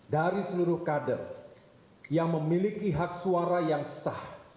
dari seluruh kader yang memiliki hak suara yang sah